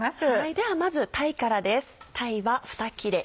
ではまず鯛からです。